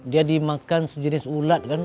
dia dimakan sejenis ulat kan